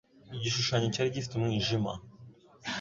Igishushanyo cyari gifite umwijima.